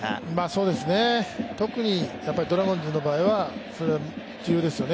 そうですね、特にドラゴンズの場合はそれは重要ですね。